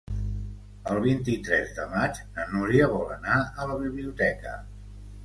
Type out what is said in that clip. El vint-i-tres de maig na Núria vol anar a la biblioteca.